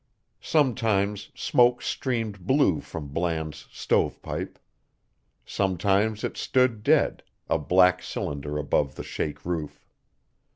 Sometimes smoke streamed blue from Bland's stovepipe. Sometimes it stood dead, a black cylinder above the shake roof.